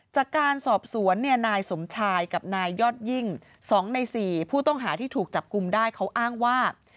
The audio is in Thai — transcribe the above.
จากการสอบสวนเนี่ยนายสมชายกับนายยอดยิ่ง๒ใน๔ผู้ต้องหาที่ถูกจับกลุ่มได้เขาอ้างว่า